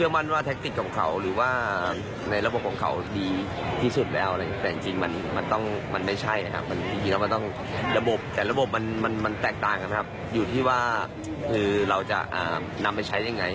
มันแตกต่างนะครับอยู่ที่ว่าคือเราจะนำไปใช้ยังไง